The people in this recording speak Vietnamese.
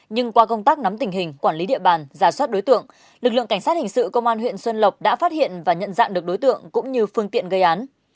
nhưng qua công tác nắm tình hình quản lý địa bàn giả soát đối tượng lực lượng cảnh sát hình sự công an huyện xuân lộc đã phát hiện và nhận dạng được đối tượng cũng như phương tiện gây án